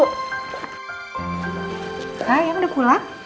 kak emang udah pulang